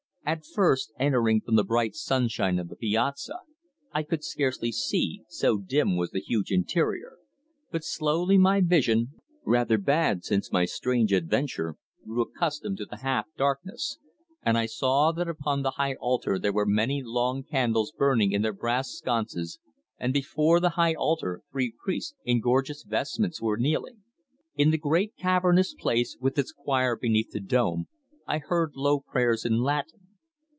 At first, entering from the bright sunshine of the piazza, I could scarcely see, so dim was the huge interior, but slowly my vision, rather bad since my strange adventure, grew accustomed to the half darkness, and I saw that upon the high altar there were many long candles burning in their brass sconces and before the high altar three priests in gorgeous vestments were kneeling. In the great cavernous place, with its choir beneath the dome, I heard low prayers in Latin.